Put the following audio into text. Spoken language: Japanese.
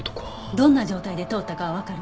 どんな状態で通ったかはわかる？